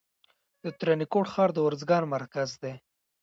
د ترینکوټ ښار د ارزګان مرکز دی